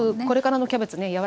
これからのキャベツね